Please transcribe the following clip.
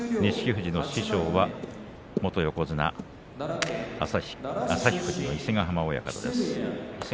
富士の師匠は元横綱の旭富士の伊勢ヶ濱親方です。